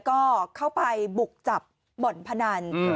ก็เข้าไปบุกจับบ่อนพนัน